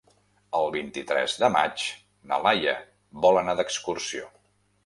El vint-i-tres de maig na Laia vol anar d'excursió.